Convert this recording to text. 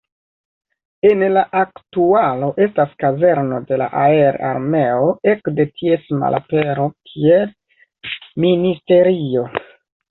En la aktualo estas kazerno de la Aer-Armeo, ekde ties malapero kiel ministerio.